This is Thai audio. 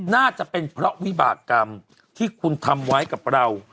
น่าจะเป็นเพราะวิบากรรมที่คุณทำไว้กับเรา